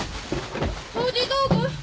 掃除道具？